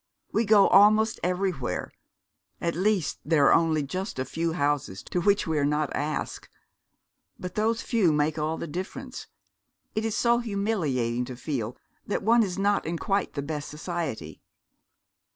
We go almost everywhere at least, there are only just a few houses to which we are not asked. But those few make all the difference. It is so humiliating to feel that one is not in quite the best society.